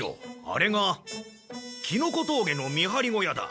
あれがキノコ峠の見張り小屋だ。